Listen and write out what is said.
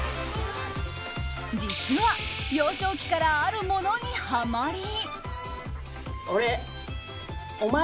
実は幼少期からあるものにハマり。